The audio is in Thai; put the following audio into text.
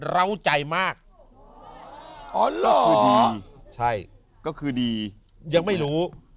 เหล้าใจมากก็คือดีใช่ก็คือดียังไม่รู้